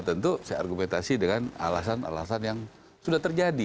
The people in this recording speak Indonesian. tentu saya argumentasi dengan alasan alasan yang sudah terjadi